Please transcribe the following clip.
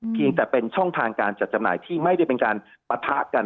เพียงแต่เป็นช่องทางการจัดจำหน่ายที่ไม่ได้เป็นการปะทะกัน